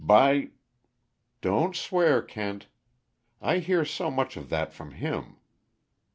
By " "Don't swear, Kent I hear so much of that from him!"